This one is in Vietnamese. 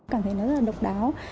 cảm thấy nó rất là độc đáo